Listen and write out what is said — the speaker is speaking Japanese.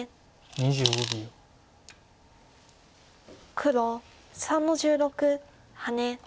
黒３の十六ハネ。